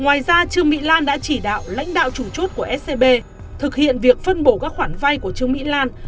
ngoài ra trương mỹ lan đã chỉ đạo lãnh đạo chủ chốt của scb thực hiện việc phân bổ các khoản vay của trương mỹ lan